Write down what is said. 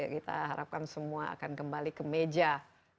kita harapkan semua akan kembali ke meja diplomasi dengan berdikari